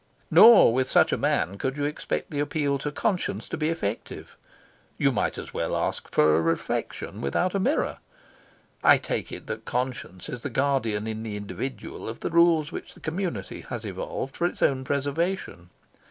Nor with such a man could you expect the appeal to conscience to be effective. You might as well ask for a reflection without a mirror. I take it that conscience is the guardian in the individual of the rules which the community has evolved for its own preservation.